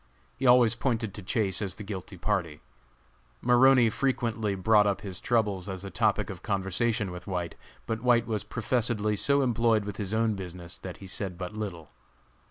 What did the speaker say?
He always pointed to Chase as the guilty party. Maroney frequently brought up his troubles as a topic of conversation with White; but White was professedly so employed with his own business that he said but little.